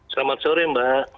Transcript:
selamat sore mbak